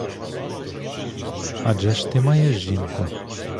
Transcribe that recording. Адже ж ти маєш жінку?